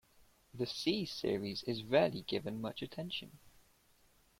The "C"-series is rarely given much attention.